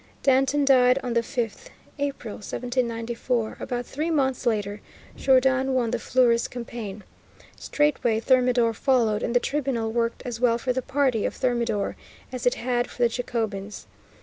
Danton died on the 5th April, 1794; about three months later Jourdan won the Fleurus campaign. Straightway Thermidor followed, and the Tribunal worked as well for the party of Thermidor as it had for the Jacobins.